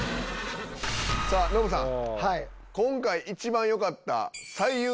さぁノブさん。